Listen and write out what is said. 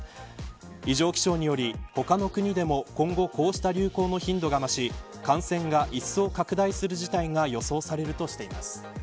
異常気象により他の国でも今後こうした流行の頻度が増し感染が一層拡大する事態が予想されるとしています。